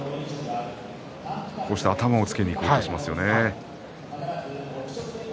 こうして頭をつけにいこうとしますよね。